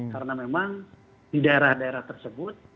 karena memang di daerah daerah tersebut